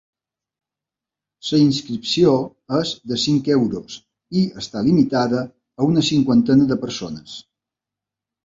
La inscripció és de cinc euros i està limitada a una cinquantena de persones.